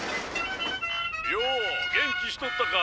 よお元気しとったか。